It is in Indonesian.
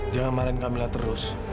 jangan marahin kamila terus